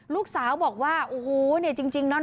ลูกสาวบอกว่าโอ๊ยจริงนะ